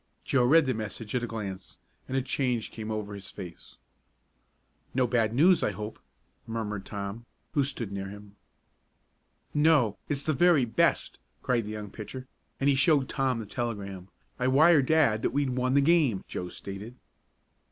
Joe read the message at a glance, and a change came over his face. "No bad news, I hope," murmured Tom, who stood near him. "No, it's the very best!" cried the young pitcher, and he showed Tom the telegram. "I wired dad that we'd won the game," Joe stated.